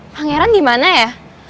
pangeran dimana ya